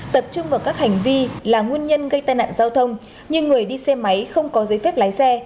tập trung vào các hành vi là nguyên nhân gây tai nạn giao thông như người đi xe máy không có giấy phép lái xe